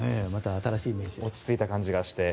落ち着いた感じがして。